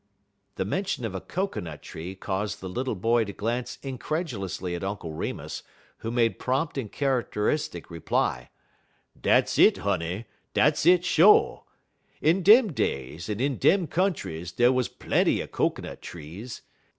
The mention of a cocoanut tree caused the little boy to glance incredulously at Uncle Remus, who made prompt and characteristic reply: "Dat's it, honey; dat's it, sho'. In dem days en in dem countries dey wuz plenty er cocoanut trees.